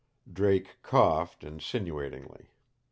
Drake coughed, insinuatingly.